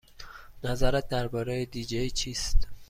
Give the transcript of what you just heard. نظرت درباره دی جی چیست؟